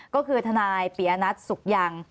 ก็คือทนายปียนัทสุขยัง